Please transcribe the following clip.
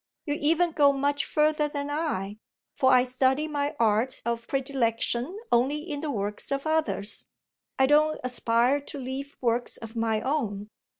You even go much further than I, for I study my art of predilection only in the works of others. I don't aspire to leave works of my own.